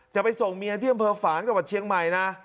จะไปส่งเมียที่อำเภอฝางจังหวัดเชียงใหม่นะ